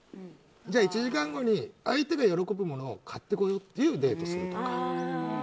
じゃあ１時間後に相手が喜ぶものを買ってこようっていうデートをするの。